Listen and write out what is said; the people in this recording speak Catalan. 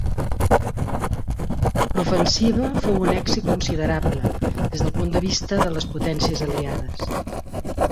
L'ofensiva fou un èxit considerable des del punt de vista de les potències aliades.